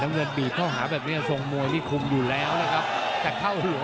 อ้าวไล่แขนไล่แขนแล้วยัดซ้ายละ๕